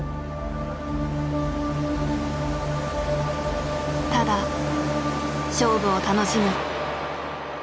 ただ勝負を楽しむ。